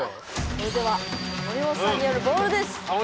それでは森本さんによる「ボール」です！